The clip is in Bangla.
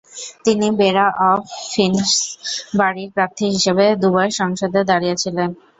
তিনি বেরা অফ ফিনসবারীর প্রার্থী হিসেবে দুবার সংসদে দাঁড়িয়েছিলেন।